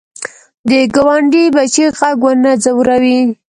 د ګاونډي بچي غږ ونه ځوروې